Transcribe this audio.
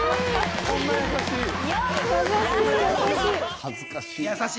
恥ずかしい！